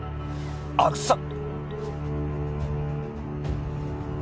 阿久津さん